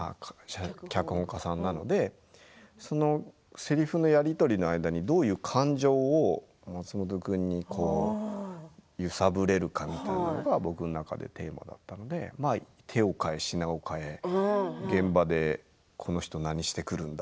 脚本家さんなのでそのせりふのやり取りの間にどういう感情を松本君に揺さぶれるかみたいなものが僕の中でテーマだったので手を変え品を変え現場でこの人何してくるんだ？